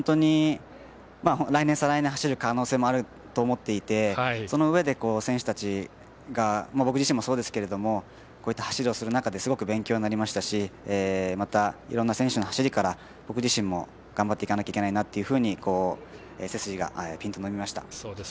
来年、再来年走る可能性もあると思っていてそのうえで、選手たちが僕自身もそうですけどもこういった走りをする中ですごく勉強になりましたしまた、いろんな選手の走りから僕自身、頑張っていかなければいけないなと背筋がぴんと伸びました。